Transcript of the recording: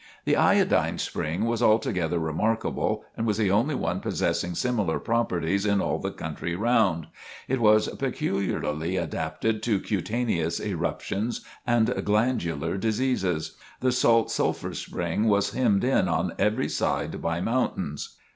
The Iodine Spring was altogether remarkable and was the only one possessing similar properties in all the country round. It was peculiarly adapted to cutaneous eruptions and glandular diseases. The Salt Sulphur Spring was hemmed in on every side by mountains.